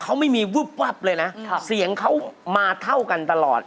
เขาไม่มีวึบวับเลยนะเสียงเขามาเท่ากันตลอด